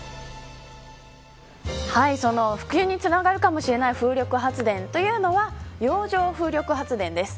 その普及につながるかもしれない風力発電というのは洋上風力発電です。